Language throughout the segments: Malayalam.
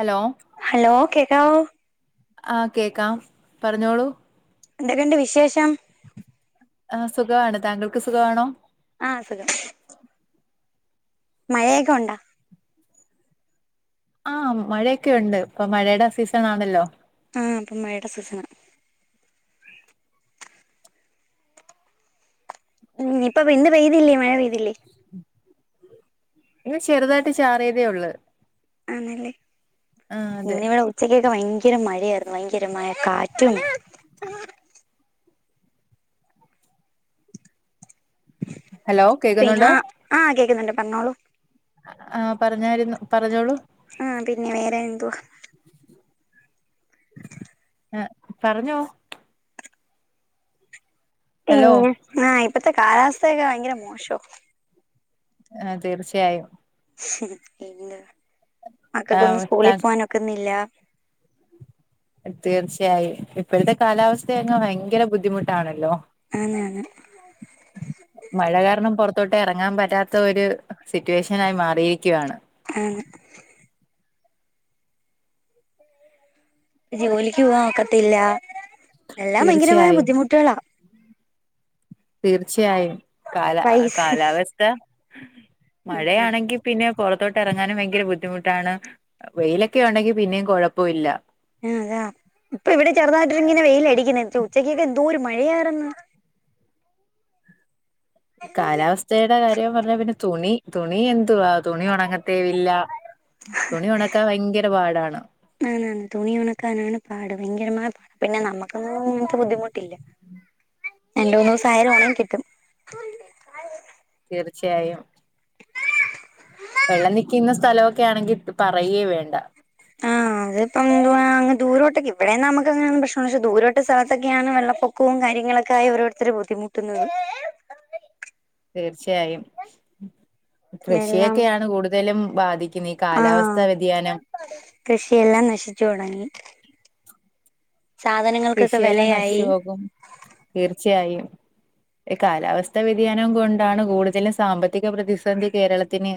ഹലോ ഹലോ കേക്കാവോ? ആഹ് കേക്കാം പറഞ്ഞോളൂ എന്തൊക്കെണ്ട് വിശേഷം? ആഹ് സുഖമാണ് താങ്കൾക്ക് സുഖമാണോ? ആഹ് സുഖം മഴയൊക്കെ ഉണ്ടോ? ആഹ് മഴയൊക്കെ ഒണ്ട് ഇപ്പൊ മഴയുടെ സീസണാണല്ലോ? ആഹ് ഇപ്പ മഴയുടെ സിസണാ ഉം ഇപ്പ പിന്നെ പെയ്തില്ലേ മഴ പെയ്തില്ലേ? ഇന്ന് ചെറ്തായിട്ട് ചാറിയതേ ഒള്ളൂ ആണല്ലേ അതെ ഇന്നിവിടെ ഉച്ചക്കൊക്കെ ഭയങ്കര മഴയായിരുന്നു ഭയങ്കര മഴ കാറ്റും ഹലോ പിന്നെ കേക്കുന്നുണ്ടോ ആഹ് കേക്ക്‌ന്നുണ്ട് പറഞ്ഞോളൂ ആഹ് പറഞ്ഞായിരുന്നു പറഞ്ഞോളൂ ആഹ് പിന്നെ വേറെ എന്തുവാ ആഹ് പർഞ്ഞോ ഹലോ പിന്നെ ആഹ് ഇപ്പത്തെ കാലാവസ്ഥയൊക്കെ ഭയങ്കര മോശോ ആഹ് തീർച്ചയായും എന്ത് മക്കക്കൊന്നും ആഹ് താ സ്കൂളിൽ പോവാ നൊക്കുന്നില്ല തീർച്ചയായും ഇപ്പഴത്തെ കാലാവസ്ഥയോക്കെ ഭയങ്കര ബുദ്ധിമുട്ടാണല്ലോ? ആന്ന് ആന്ന് മഴ കാരണം പോറത്തോട്ട് എറങ്ങാൻ പറ്റാത്ത ഒരു സിറ്റുവേഷൻ ആയി മാറിയിരിക്കുവാണ് ആന്ന് ജോലിക്ക് പോവാൻ ഒക്കത്തില്ല എല്ലാം ഭയങ്കരമായ തീർച്ചയായും ബുദ്ധിമുട്ടുകളാ തീർച്ചയായും കാല പൈസ കാലാവസ്ഥ ഉം മഴയാണെങ്കി പിന്നെ പോറത്തോട്ട് എറങ്ങാനും ഭയങ്കര ബുദ്ധിമുട്ടാണ് വെയിലൊക്കെ ഉണ്ടെങ്കിൽ പിന്നേം കുഴപ്പല്ല ആതാ ഇപ്പൊ ഇവിടെ ചെറുതായിട്ട് ഇങ്ങനെ വെയില് അടിക്കുന്നെ ഉച്ചക്കൊക്കെ എന്തോരു മഴയായിരുന്ന് കാലാവസ്ഥയുടെ കാര്യം പറഞ്ഞാ പിന്നെ തുണി തുണി എന്തുവാ തുണി ഉണങ്ങത്തേ ഇല്ല തുണി ഒണക്കാൻ ഭയങ്കര പാടാണ് ആന്നാ തുണി ഒണക്കാനാണ് പാട് ഭയങ്കരമായ പിന്നെ നമുക്കൊന്നും അങ്ങൻത്തെ ബുദ്ധിമുട്ടില്ല രണ്ട് മൂന്ന് ദിവസായാലും ഒണെങ്ങി കിട്ടും [unintelligible] തീർച്ചയായും വെള്ളം നിക്കുന്ന സ്ഥലമൊക്കെ ആണെങ്കി പറയേ വേണ്ട ആഹ് അതി ഇപ്പ എന്ത അ ദൂരോട്ടൊെ ഇവിടെയന്ന് നു മുക്ക്ങ്ങെയാണ് പ്രക്ഷണ ദൂരോട്ട്സ്ഥലത്തൊക്കെയാണ് വെള്ള പൊകം. പൊക്കം കാര്യങ്ങളൊക്കെ ആയി ഓരോരുത്തർ ബുദ്ധിമുട്ടുന്നത തീർച്ചയായും വെള്ളം കൃഷിയൊക്കെയാണ് കൂടുതലും ബാധിക്കുന്നത് ഈ ആ കാലാവസ്ഥ. വ്യതിയാനം കൃഷിയെല്ലാം നശിച്ചു തുടങ്ങി. സാധനങ്ങൾക്കൊക്കെ കൃഷിയെല്ലാം വെലയായി. നശിച്ചു പോകും തീർച്ചയായും. ഈ കാലാവസ്ഥ വ്യതിയാനം കൊണ്ടാണ് കൂടുതലും സാമ്പത്തിക പ്രതിസന്ധി കേരളത്തി ത്തിന്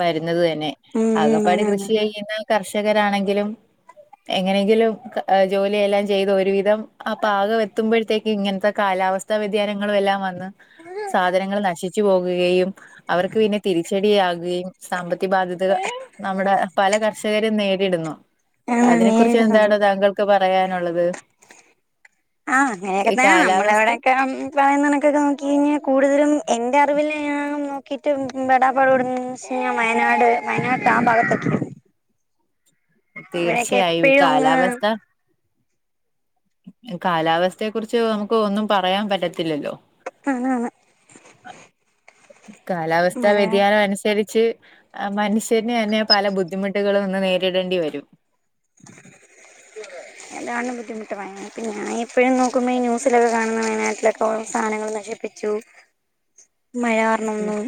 വരുന്നത് തന്നെ ഉം ഉം ആകപ്പാട് ആന്നാന്ന് കൃഷി ചെയുന്ന കർഷകർ. കരാണെങ്കിലും എങ്ങനെയെങ്കിലും ജോലിയെല്ലാം ചെയ്ത ഒരുവിധം ആ പാകം എത്തുമ്പോഴത്തേക്ക് ഇങ്ങനത്തെ കാലാവസ്ഥ വ്യതിയാനങ്ങളും എല്ലാം വന്ന്. സാധനങ്ങൾ നശിച്ചു പോകുകയും അവർക്ക് പിന്നെ തിരിച്ചടിയാകുകയും സാമ്പത്തിക ബാധ്യത നമ്മുടെ പല കർഷകരും നേരി ടുന്നു ആ അതിനെ കുറിച്ച് നേരിടുന്നുണ്ട് എന്താണ് താങ്കൾക്ക് പറയാനുള്ളത് ആഹ അങ്ങനെയൊക്കെ ഈ തന്നെ കാലാവസ്ഥ നമ്മളെവിടെയൊക്കെ പറയുന്നനക്കൊക്കെ നോക്കി കഴിഞ്ഞാ കൂടുതലും. എന്റെ അറിവിൽ ഞാൻ ന കിട്ട് പെടാപ്പാട് പെടുന്ന എ വെച്ച് കഴിഞ്ഞാൽ വയനാട് വയനാട്ട ആ ഭാഗത്തൊക്കെയാണ്. തീർച്ചയായും ഈ എപ്പോഴും അങ്ങ് കാലാവസ്ഥ കാലാവസ്ഥയെ കുറിച്ച് നമുക്ക് ഒന്നും പറയാൻ പറ്റത്തില്ലല്ലോ [unintelligible] കാലാവസ്ഥാ മഴ വ്യതിയാനം അനുസരിച്ച് മനുഷ്യന് തന്നെ പല ബുദ്ധിമുട്ടുകളും ഇന്ന് നേരിടേണ്ടി വരും [unintelligible] [unintelligible] ഇപ്പോയൊന്നും നോക്കുമ്പേ ഈ ന്യൂസിലൊക്കെ കാണുന്ന വയനാട്ടിലൊക്കെ സാധന ച്ചു മഴ കാരണൊന്നും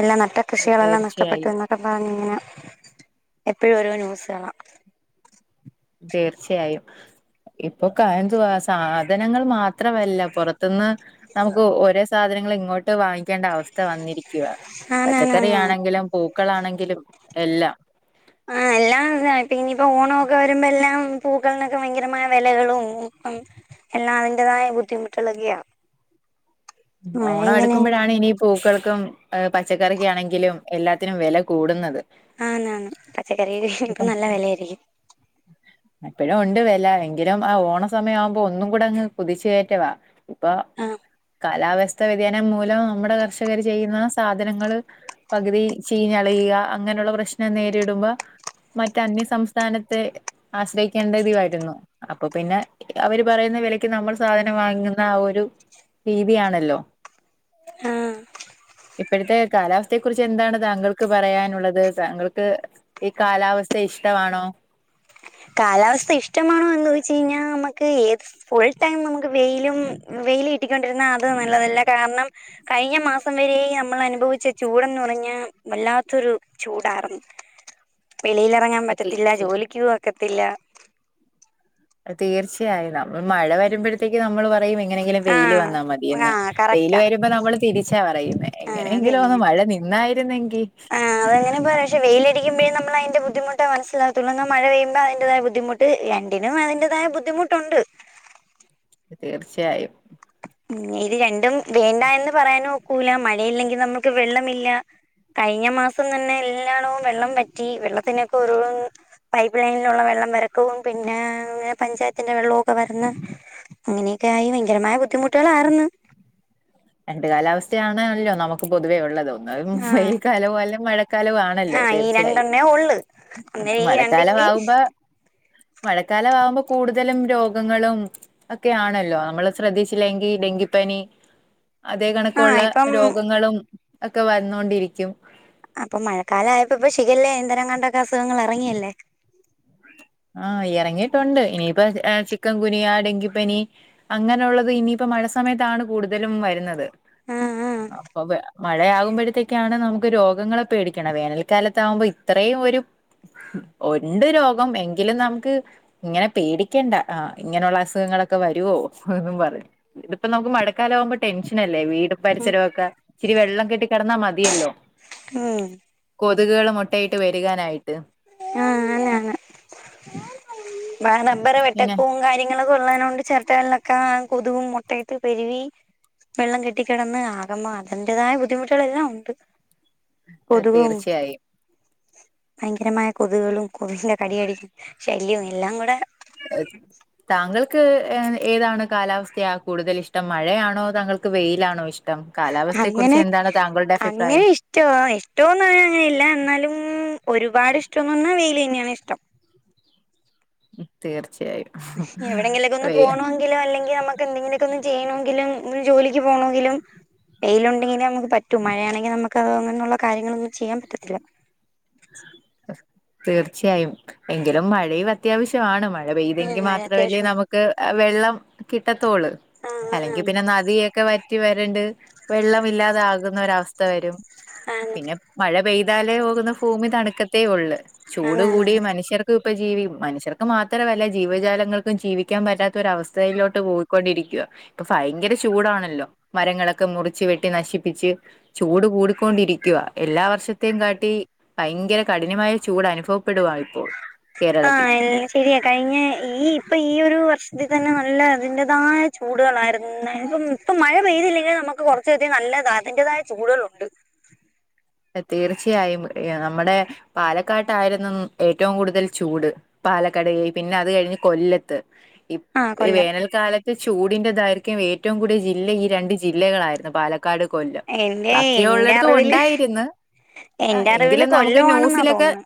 എല്ലാം നട്ട കൃഷികളെല്ലാം നഷ്ടപ്പെട്ടു. തീർച്ചയായും [unintelligible] എപ്പോഴും ഓരോ ന്യൂസ് കാണാം തീർച്ചയായും. ഇപ്പൊ എന്തുവാ സാധനങ്ങൾ മാത്രമല്ല പുറത്തുന്ന്. നമുക്ക് ഒരേ സാധനങ്ങളും ഇങ്ങോട്ട് വാങ്ങിക്കേണ്ട അവസ്ഥ വന്നിരിക്കുവ പച്ചക്കറി ആന്നാന്നാന്നാണ് ആണെങ്കിലും പൂക്കളാണെങ്കിലും എല്ലാം ആ എല്ലാംത പിനിയിപ്പോ ഓണൊക്കെ വരുമ്പോ എല്ലാം പൂക്കളിനൊക്കെ ഭയങ്കരമായ വിലകളും. എല്ലാം അതിന്റേതായ ബുദ്ധിമുട്ടുകളൊക്കെയാ മഴ ഓണം ഇങ്ങനെ അടുക്കുമ്പോഴാണ് ഇനി പൂക്കൾക്കും പച്ചക്കറിക്കാണെങ്കിലും എല്ലാത്തിനും വില കൂടുന്നത് ആ നാന് പച്ചക്കറി ൽ ഇപ്പം നല്ല വില ആയിരിക്കും ഇപ്പോഴും ഉണ്ട് വില എങ്കിലും ആ ഓണ സമയം ആവുമ്പോ ഒന്നും കൂടെ അങ്ങ് കുതിച് കയറ്റവാ ഇപ്പൊ ആ കാലാവ്യസ്ഥ വ്യതിയാനം മൂലം നമ്മുടെ കർഷകര് ചെയ്യുന്ന സാധനങ്ങള്. പകുതി ചീഞ്ഞളിയുക അങ്ങനെയുള്ള പ്രശ്നം നേരിടുമ്പോ മറ്റ് അന്യ സംംസ്ഥാനത്ത് ത്തെ ആശ്രയിക്കേണ്ടതി വരുന്നു. അപ്പൊ പിന്നെ അവര് പറയുന്ന വിലക്ക് നമ്മൾ സാധനം വാങ്ങുന്ന ആ ഒരു രീതി ആണല്ലോ ആഹ് ഇപ്പോഴത്തെ കാലാവസ്ഥയെ കുറിച്ച് എന്താണ് താങ്കൾക്ക് പറയാനുള്ളത് താങ്കൾക്ക് ഈ കാലാവസ്ഥ ഇഷ്ടവാണോ കാലാവസ്ഥ ഇഷ്ടമാണോ എന്ന് ചോയിച്ച് കഴിഞ്ഞാ നമുക്ക് ഏത് ഫുൾ ടൈം നമുക്ക് വെയിലും വെയില് കിട്ടിക്കൊണ്ടിരുന്ന അത് നല്ലതല്ല കാരണം കഴിഞ്ഞ മാസം വരെയും നമ്മള് അനുഭവിച്ച ചൂടന്ന് പറഞ്ഞ വല്ലാത്തൊരു ചൂടായിർന്നു വെളിയിൽ ഇറങ്ങാൻ പറ്റത്തില്ല തീർച്ചയായും ജോലിക്ക് പോകാൻ ഒക്കത്തില്ല തീർച്ചയായും നമ്മള് മഴ വരുമ്പോഴത്തേക്ക് നമ്മള് പറയും എങ്ങനെങ്കിലും ആ വെയില് വന്നാൽ ആ മതിയന്ന് വെയില് കറക്റ്റാ വരുമ്പോ നമ്മള് തിരിച്ചാ പറയുന്നേ ആഹ് അത് എങ്ങനെയെങ്കിലും ഒന്ന് തന്നെയാ മഴ നിന്നായിരുന്നെങ്കി അങ്ങനെയും പറയാം പക്ഷേ വെയിലടിക്കുമ്പഴേ നമ്മളതിന്റെ ബുദ്ധിമുട്ട് മനസിലാവത്തൊള്ളു അന്നാൽ മഴ പെയ്യുമ്പോ അതിന്റെതായ ബുദ്ധിമു ത്ത് രണ്ടിനും അതിന്റേതായ ബുദ്ധിമുട്ടുണ്ട് തീർച്ചയായും ഉം ഇത് രണ്ടും വേണ്ട എന്ന് പറയാനും ഒക്കൂല മഴയില്ലെങ്കിൽ നമ്മുക്ക് വെള്ളമില്ല കഴിഞ്ഞ മാസം തന്നെ എല്ലാടവും വെള്ളം പറ്റി വെള്ളത്തിനൊക്കെ ഓരോരന്ന് പൈപ്പ് ലൈനിലുള്ള വെള്ളം വരക്കവും പിന്നെ അങ്ങനെ പഞ്ചായത്തിന്റെ വെള്ളവും ഒക്കെ വരന്ന് അങ്ങനെയൊക്കെ ആയി ഭയങ്കരമായ ബുദ്ധിമുട്ടുകൾ ആർന്ന് രണ്ട് കാലാവസ്ഥയാണണല്ലോ നമുക്ക് പൊതുവേ ഉള്ളതും എന്നാലും വെയിൽ ആഹ് കാലവും അല്ല മഴക്കാലവും ആണല്ലോ ആഹ് തീർ ഈ രണ്ടെണ്ണേ ഒള്ള് മഴക്കാലമാകുമ്പ മഴക്കാല ആവുമ്പോ കൂടുതലും രോഗങ്ങളും ഒക്കെ ആണല്ലോ നമ്മള് ശ്രദ്ധിച്ചില്ലെങ്കിൽ ഡെങ്കിപ്പനി അതേ ആഹ് കണക്കുള്ള ഇപ്പം രോഗങ്ങളും ഒക്കെ വന്നോണ്ടിരിക്കും അപ്പോ മഴക്കാല ആയപ്പോ ഇപ്പം ഷിഗല എന്തോരങ്ങാണ്ടേക്കെ അസുഖങ്ങള് ഇറങ്ങിയല്ലേ ആഹ് ഇറങ്ങിയിട്ടുണ്ട് ഇനിയിപ്പോ ചിക്കൻ ഗുനിയ ഡങ്കിപ്പനി അങ്ങനെയുള്ളത് ഇനിയിപ്പോ മഴ സമയത്താണ് കൂടുതലും വരുന്നത് ആഹ് ആഹ് അപ്പ മഴയാകുമ്പോഴത്തേക്കാണ് നമുക്ക് രോഗങ്ങളെ പേടിക്കണേ വേനൽക്കാലത്താകുമ്പോൾ ഇത്രയും ഒരു ഒണ്ട് രോഗം എ എങ്കിലും നമുക്ക് ഇങ്ങനെ പേടിക്കണ്ട ആഹ് ഇങ്ങനെയുള്ള അസുഖങ്ങളൊക്കെ വരുവോ എന്നും പറഞ്ഞ് ഇതിപ്പോ നമുക്ക് മഴക്കാല ആകുമ്പോ ടെൻഷനല്ലേ വീ ഉം പരിസരമൊക്കെ ഇച്ചിരി വെള്ളം കെട്ടി കിടന്നാ മതിയല്ലോ ആഹ് കൊതുകുകള് മുട്ടയിട്ട് പെരു കാനായിട്ട് ആഹ് ഭ റബ്ബറ് പിന്നെ വെടക്കും കാരി നിങ്ങള് കൊള്ളാഞ്ഞ ണ്ട് ചിരട്ടകളിലൊക്കെ കൊതുകും മുട്ടയിട്ട് പെരുവി വെള്ളം കെട്ടിക്കിടന്ന് ആകമാ അതിന്റെതായ ബുദ്ധിമുട്ടുകളെല്ലാം ഉണ്ട് ഏഹ് കൊതുകും തീർച്ചയായും ഭയങ്കരമായ കൊതുകുകളും കൊതുകിന്റെ കടി [unintelligible] ശല്യവും എല്ലാം കൂടെ [unintelligible] താങ്കൾക്ക് എ ഏതാണ് കാലാവസ്ഥയാ കൂടുതൽ ഇഷ്ടം മഴയാണോ താങ്കൾക്ക് വെയിലാണോ ഇഷ് ടം കാലാവസ്ഥയെക്കുറിച്ച് എന്താണ് താങ്കളുടെ അഫിപ്രായം ഇഷ്ടവാ ഇഷ്ടോന്ന് അങ്ങനെയില്ല എന്നാലും ഒരുപാട് ഇഷ്ടമെന്ന് പറഞ്ഞ വെയില് തന്നെയാണ് ഇഷ്ടം തീർച്ചയായും എവിടെങ്കിലൊക്കെ ഒന്ന് വെയ് പോണ--‌ എന്തെങ്കിലും അല്ലെങ്കി നമുക്ക് എന്തെങ്കിലൊക്കെ ഒന്ന് ചെയ്യണമെങ്കിലും ജോലിക്ക് പോണമെങ്കിലും വെയിലുണ്ടെങ്കിലേ നമുക്ക് പറ്റും മഴയാണെങ്കില് നമുക്ക് അതൊന്നും അങ്ങനെയുള്ള കാര്യങ്ങളൊന്നും ചെയ്യാൻ പറ്റത്തില്ല തീർച്ചയായും എങ്കിലും മഴയു അത്യാവശ്യമാണ് മഴ ഉം പെയ്തെങ്കിൽ മഴ മാത്രമല്ലേ അത്യാവശ്യമാണ് നമുക്ക് വെള്ളം കിട്ടത്തോളൂ അല്ലെങ്കി പിന്നെ നദിയെ ക്കെ വറ്റി വരണ്ട് വെള്ളം ഇല്ലാതെ ആകുന്ന ഒരവസ്ഥ വരും ആ പിന്നെ മഴ പെയ്താലേ പോകുന്ന ഫുമി തണുക്കത്തേ ഒള്ള് ചൂട് ആന്നാന്ന് കൂടി മനുഷ്യർക്കും ഇപ്പ ജീവി മനുഷ്യർ മാത്രമല്ല ജീവജാലങ്ങൾക്കും ജീവിക്കാൻ പറ്റാത്ത ഒര അവസ്ഥയിലോട്ട് പോയിക്കൊണ്ടിരിക ഇപ്പൊ ഫയങ്കര ചൂടാണല്ലോ മരങ്ങളൊക്കെ മുറിച്ച് വെട്ടി നശിപ്പിച്ച് ചൂട് കൂടിക്കൊണ്ടിരിക്കവാ എല്ലാ വർഷത്തെയും കാട്ടി ഭയങ്കര കഠിനമായ ചൂട് അനുഭവപ്പെടുവാ ഇപ്പോൾ ആഹ കേരളത്തിൽ എ ശരിയ കഴിഞ്ഞ ഈ ഇപ്പം ഈ ഒരു വർഷത്തി തന്നെ നല്ല അതിൻറേതായ ചൂടുകളായിരുന്നു ഇപ്പം ഇപ്പം മഴ പെയ്തില്ലെങ്കിലും നമുക്ക് കുറച്ച അധികം നല്ലത് അതിന്റതായ ചൂടുകളുണ്ട് തീർച്ചയായും നമ്മുടെ പാലക്കാട്ടായിരുന്നു ഏറ്റവും കൂടുതൽ ചൂട് പാലക്കട് പിന്നത് കഴിഞ്ഞ് കൊല്ലത്ത് ഈ ആ കൊല്ലം വേനൽക്കാലത്ത് ചൂടിന്റെ ദൈർഘ്യം ഏറ്റവും കൂടിയ ജില്ല ഈ രണ്ട് ജില്ലകളായിരുന്നു പാലക് ക്കാട്, കൊല്ലം എന്റെ ബാക്കിയ എന്റെ ഉള്ളടത്തും അറിവില് ഉണ്ടായി ന്ന്. എന്റെ അറിവില് എങ്കിലും നമുക്ക് കൊല്ലമാണെന്നാ ന്യൂസിലൊക്കെ തോന്നുന്നത്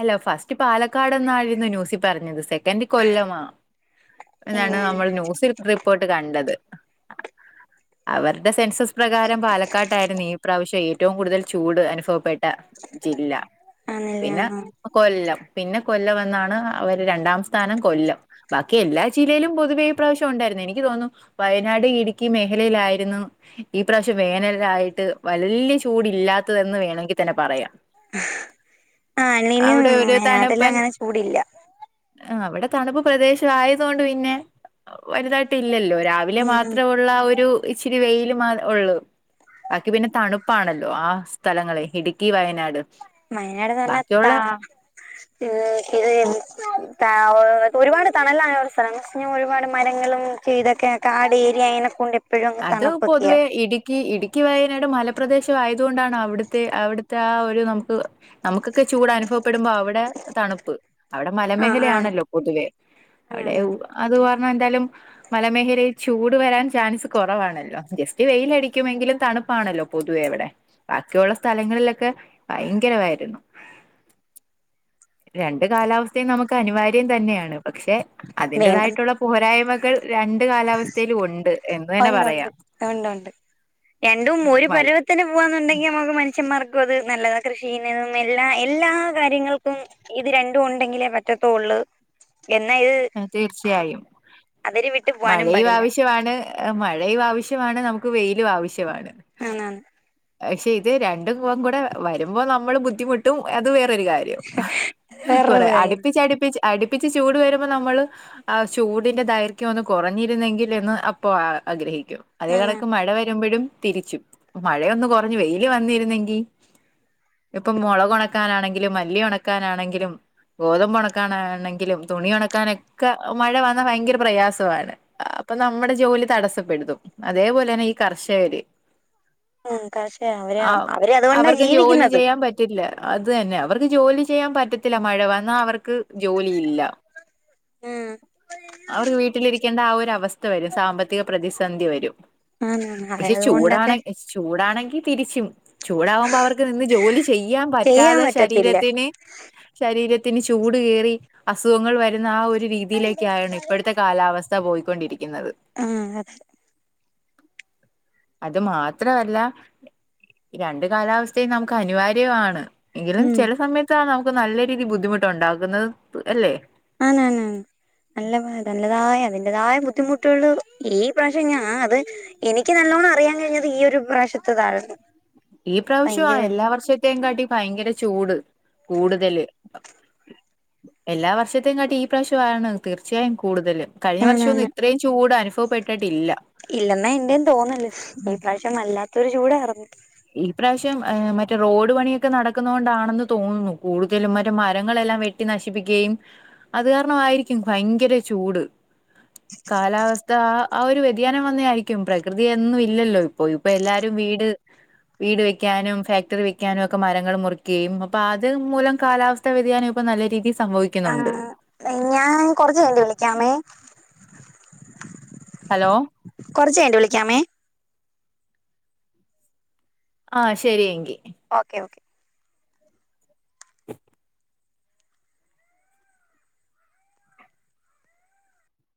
അല്ല ഫസ്റ്റ് പാലക്കാട്ന്നായിരുന്നു ന്യൂസി പറഞ്ഞത് സെക്കൻറ് കൊല്ലമാ എന്നാണ് ഉം നമ്മൾ ന്യൂസിൽ റിപ്പോട്ട് കണ്ടത്. അവരുടെ സെൻസസ് പ്രകാരം പാലക്കാട്ടായിരുന്നു ഈ പ്രാവശ്യം ഏറ്റവും കൂടുതൽ ചൂട് അനുഭവപ്പെട് ട്ട ജില്ല ആന്നല്ലേ പിന്നെ ആ കൊല്ലം. പിന്നെ കൊല്ലവന്നാണ് അവര് രണ്ടാം സ്ഥാനം കൊല്ലം ബാക്കി എല്ലാ ജില്ലയിലും പൊതുവേ ഈ പ്രാവശ്യം ഉണ്ടായിരുന്നു. എനിക്ക് തോന്നുന്നു വയനാട് ഇടുക്കി മേഖലയിലായിരുന്നു ഈ പ്രാവശ്യം വേനലായിട്ട് വല്യ ചൂടില്ലാത്തതെന്ന് വേണമെങ്കി തന്നെ പറയ ആ അല്ലെനും വയനാട്ടെല്ലാം അങ്ങനെ ചൂടില്ല ആഹ്‌ അവിടെ തണുപ്പ് പ്രദേശംആയതോണ്ട് പിന്നെ വലുതായിട്ടില്ലല്ലോ രാ വിലെ ഉം ഉം മാത്രമുള്ള ഒരു ഇച്ചിരി വെയ്ൽ മാ ഉള്ളൂ ബാക്കി പിന്നെ തണു പ്പാണല്ലോ ആ സ്ഥലങ്ങളേയ് ഇടുക്കി വയനാട് മയനാട് ബാക്കിയുള്ള ന്നത്താ ഉം ത ഒരുപാട് തണലാണ് സ്ഥലം പക്ഷേ ഒരുപാട് മരങ്ങളും ഇതൊക്കെ കാട് ഏരിയ അയിനെ കൊണ്ട അത് പൊതുവെ ഇടി ക്കി ഇടുക്കി വയനാട് മലപ്രദേശ ആയതുകൊണ്ടാണ് അവിടുത്തെ അവിടുത്തെ ആ ഒരു നമുക്ക് നമുക്കൊക്കെ ചൂടനുഭവപ്പെടുമ്പോ അവിടെ തണുപ്പ്. അവിടെ ആഹ് ആണ് മലമേഖലയാണല്ലോ പൊതുവെ അവിടെ ആണാണ് അത് കാരണം എന്തായാലും മലമേഖലയിൽ ചൂട് വരാൻ ചാൻസ് കൊറവാണല്ലോ ജസ്റ്റ് വെയിലടിക്കുമെങ്കിലും തണുപ്പാണല്ലോ പൊതുവേ അവിടെ ബാക്കിയുള്ള സ്ഥലങ്ങളിലൊക്കെ ഭയങ്കരമായിരുന്നു [unintelligible] [inaudible] രണ്ട് കാലാവസ്ഥയും നമുക്കനിവാര്യം തന്നെയാണ് പക്ഷെ വേണ്ടത് അതിന്റതായിട്ടുള്ള പോരായ്മകൾ രണ്ട് കാലാവസ്ഥയിലും ഉണ്ട് എ ഒണ്ടൊണ്ട് ഒണ്ടൊണ്ട് രണ്ടും ഒരു മഴ പരുവ ത്തിന് പോവന്നുണ്ടെങ്കി നമുക്ക്‌ മനുഷ്യന്മാർക്കും അത് നല്ലത കൃഷി ചെയ്യുന്നതും എല്ലാ എല്ലാ കാര്യങ്ങൾക്കും ഇത് രണ്ടും ഉണ്ടെങ്കിലേ പറ്റത്ത ഒള്ള്. എന്നാ ഇത് അ തീർച്ചയായും മഴയും ആവശ്യവാണ് മഴയും ആവശ്യവാണ് നമുക്ക് വെയിലും ആവശ്യവാണ് ആന്നാന്ന് പക്ഷെ ഇത് രണ്ടും കൂടെ വരുമ്പോ നമ്മള് ബുദ്ധിമുട്ടും അത് വേറൊരു കാ ര്യം. വേറൊരു കുറെ കാര്യം അടുപ്പിച്ചടുപ്പിച് അടുപ്പിച്ച് ചൂടു വരും മ്പൊ നമ്മള് ആ ചൂടിന്റെ ദൈർഘ്യം ഒന്ന് കൊറഞ്ഞിരുന്നെങ്കിൽ എന്ന് അപ്പൊ ആഗ്രഹിക്കും അതേ ആന്ന് കടക്ക് മഴ വരുമ്പഴും തിരിച്ചും, മഴയൊന്ന് കൊറഞ്ഞ് വെയില് വന്നിരുന്നെങ്കി ഇപ്പം മൊളകൊണക്കാനാണെങ്കിലും മല്ലി ഒണക്കാനാണെങ്കിലും ഗോതമ്പൊണക്കാനാണെങ്കിലും തുണി ഒണക് ക്കാനോക്കെ മഴ വന്നാ ഭയങ്കര പ്രയാസവാണ്. അപ്പൊ നമ്മടെ ജോലി തടസ്സപ്പെടുതും അതേപോലെ തന്നെ ഈ കർഷകര് ഉം. കർഷകർ, അവര് അവര് അതുകൊണ്ടാ ജീവിക്കുന്നത് ഇല്ല അത് തന്നെ അവർക്ക് ജോലി ചെയ്യാൻ പറ്റത്തില്ല മഴ വന്നാ അവർക്ക് ജോലിയില്ല ഉം അവർക് വീട്ടിലിരിക്കേണ്ട ആ ഒരു അവസ് സ്ഥ വരും സാമ്പത്തിക പ്രതിസന്ധി വരും. ആന്നാന്ന് അതെ പക്ഷെ ചൂടാണ അതുകൊണ്ടൊക്കെ ചൂടാണെങ്കി തിരിച്ചും. ചൂടാവുമ്പോ അവർക്ക് നിന്ന് ജോലി ചെയ്യാൻ ചെയ്യാമ്പറ്റാതെ പറ്റത്തില്ല ശരീരത്തിന് ശരീരത്തിന് ചൂട് കയറി അസുഖങ്ങൾ വരുന്ന ആ ഒ രു രീതിയിലേക്ക ആണ് ഇപ്പോഴത്തെ കാലാവസ്ഥ പോയിക്കൊണ്ടിരിക്കുന്നത് ആഹ് അതെ അത് മാത്രമല്ല രണ്ട് കാലാവസ്ഥയും നമുക്ക് അനിവാര്യമാണ് എങ്കിലും ഉം ചില സമയത്താ നമുക്ക് നല്ല രീതിൽ ബുദ്ധിമുട്ട്ണ്ടാക്കുന്നത് അല്ലേ ആന്ന് ആന്ന ആ നല്ല നല്ലതായ അതിന്റെതായ ബുദ്ധിമുട്ടുള്ള ഈ പ്രാവശ്യം ഞാ അത് എനിക്ക് നല്ലോണ്ണം അറിയാൻ കഴിഞ്ഞത് ഈ ഒരു പ്രാവശ്യത്തതായിരുന്നു ഈ പ്രാവശ്യം ഭയങ്കര എല്ലാ വർഷത്തെയും കാട്ടി ഭയങ്കര ചൂട് കൂടുതല് എല്ലാ വർഷത്തെയും കാട്ടി ഈ പ്രാവശ്യാണ് തീർച്ചയായും കൂടുതല് കഴിഞ്ഞ വർഷംന്നും ആന്നാന്ന് ഇത്രയും ചൂട് അനുഭവപ്പെട്ടിട്ടില്ല ഇല്ലെന്ന എന്റെേയും തോന്നല് ഈ പ്രാവശ്യം വല്ലാത്തൊരു ചൂടാർന്നു ഈ പ്രരാവശ്യം ഏഹ് മറ്റേ റോഡ് പണിയൊക്കെ നടക്കുന്ന കൊണ്ടാണെന്ന് തോന്നുന്നു കൂടുതലും മറ്റേ മരങ്ങളെല്ലാം വേ ട്ടി നശിപ്പിക്കുകയും അത് കാരണ മായിരിക്കും ഭയങ്കര ചൂട് കാലാവസ്ഥ ആഹ് ഒരു വ്യതിയാനം വന്ന ആയിരിക്കും പ്രകൃതിയൊന്നും ഇല്ലല്ലോ ഇപ്പോ ഇപ്പൊ എല്ലാരും വീട് വീട് വെക്കാനും ഫാക്ടറി വെക്കാനും ഒക്കെ മരങ്ങൾ മുറിക്കയും അപ്പൊ അത് മൂലം കാലാവസ് ത്ത വ്യതിയം ഇപ്പ നല്ല രീതിൽ സംഭവി ആഹ് ഞാൻ കൊറച് കയിഞ്ഞു വിളിക്കാമേ ഹലോ കുറച് കയിഞ്ഞ്ട്ട് വിളിക്കാമേ ആഹ് ശരിയങ്കി ഓക്കെ ഓക്കെ